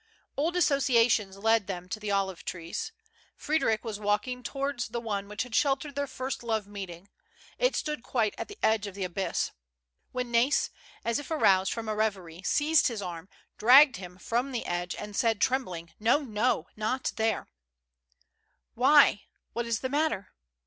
Old associations led them to the olive trees. Frdderic was walking towards the one which had sheltered their first love meeting — it stood quite at the edge of the abyss — when Nais, as if aroused from a reverie, seized his arm, dragged him from the edge, and said, trembling: " No, no ; not there 1" " Why, what is the matter?